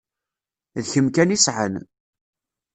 D kemm kan i sɛan.